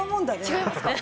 違いますか。